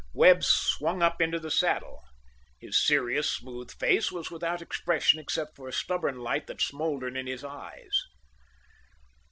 Webb swung up into the saddle. His serious, smooth face was without expression except for a stubborn light that smouldered in his eyes.